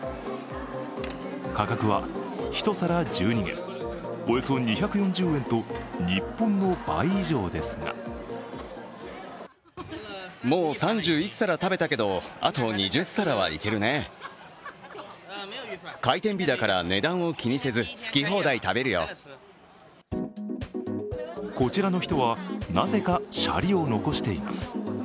価格は１皿１２元、およそ２４０円と日本の倍以上ですがこちらの人はなぜかシャリを残しています。